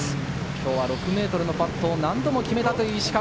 今日は６ｍのパットを何度も決めたという石川。